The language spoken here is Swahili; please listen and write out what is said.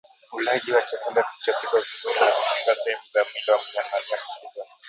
ulaji wa chakula kisichopikwa vizuri na kushika sehemu za mwili wa mnyama aliyeambukizwa